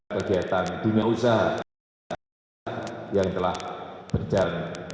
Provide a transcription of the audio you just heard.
kegiatan dunia usaha yang telah berjalan